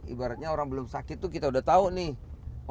ibaratnya orang belum sakit tuh kita udah tahu nih